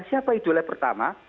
siapa idola pertama